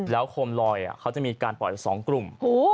แล้วโขมลอยกาลปล่อย๒กลุ่ม